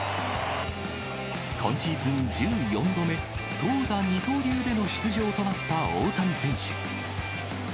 今シーズン１４度目、投打二刀流での出場となった大谷選手。